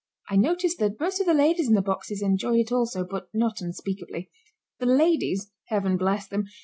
I noticed that most of the ladies in the boxes enjoyed it also, but not unspeakably. The ladies, Heaven bless them!